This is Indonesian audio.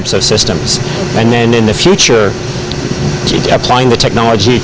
menggunakan teknologi untuk sistem geotermal yang lebih meningkat